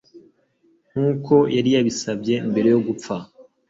nkuko yari yabisabye mbere yo gupfa